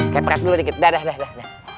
kepekat dulu dikit dah dah dah